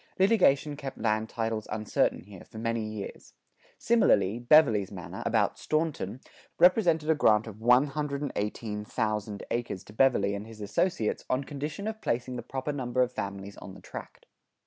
Litigation kept land titles uncertain here, for many years. Similarly, Beverley's manor, about Staunton, represented a grant of 118,000 acres to Beverley and his associates on condition of placing the proper number of families on the tract.